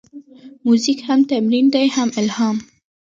موزیک هم تمرین دی، هم الهام.